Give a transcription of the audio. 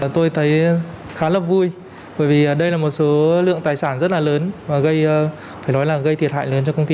tôi thấy khá là vui bởi vì đây là một số lượng tài sản rất là lớn và gây thiệt hại lớn cho công ty